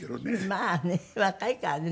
まあね若いからね。